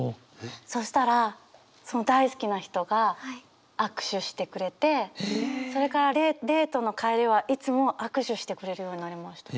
そしたらその大好きな人が握手してくれてそれからデートの帰りはいつも握手してくれるようになりました。